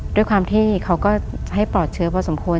ด้วยความที่เขาก็ให้ปลอดเชื้อพอสมควร